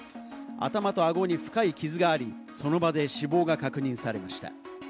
頭と顎に深い傷があり、その場で死亡が確認されました。